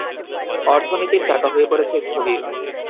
অর্থনীতির চাকা হয়ে পড়েছে স্থবির।